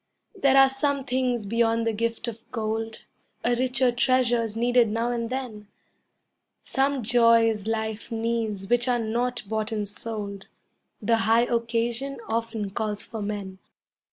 There are some things beyond the gift of gold, A richer treasure's needed now and then; Some joys life needs which are not bought and sold The high occasion often calls for men.